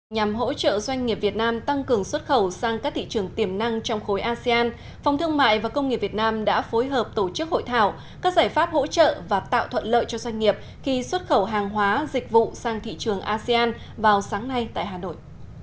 nhằm hỗ trợ doanh nghiệp việt nam tăng cường xuất khẩu sang các thị trường tiềm năng trong khối asean phòng thương mại và công nghiệp việt nam đã phối hợp tổ chức hội thảo các giải pháp hỗ trợ và tạo thuận lợi cho doanh nghiệp khi xuất khẩu hàng hóa dịch vụ sang thị trường asean vào sáng nay tại hà nội